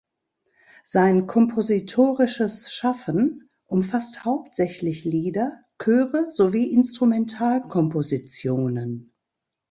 Sein kompositorisches Schaffen umfasst hauptsächlich Lieder, Chöre sowie Instrumentalkompositionen.